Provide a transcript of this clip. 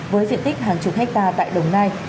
với diện tích hàng chục hectare tại đồng nai